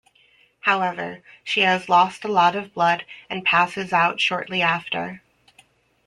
However, she has lost a lot of blood and passes out shortly after.